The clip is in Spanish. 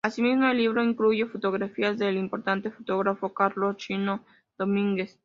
Asimismo el libro incluye fotografías del importante fotógrafo Carlos "Chino" Domínguez.